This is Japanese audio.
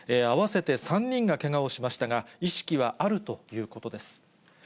合わせて３人がけがをしましたが、意識はあるということです。